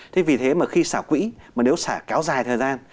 thế vì thế mà khi xả quỹ mà nếu xả kéo dài thời gian